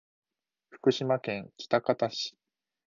福島県喜多方市